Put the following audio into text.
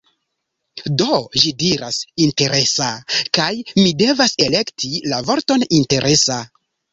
Do, ĝi diras "interesa" kaj mi devas elekti la vorton "interesa"